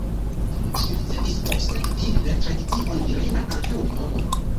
Ĝi ricevis, por sekvi la tradicion, virinan antaŭnomon.